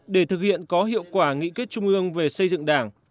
để thực hiện có hiệu quả nghị quyết trung ương về xây dựng đảng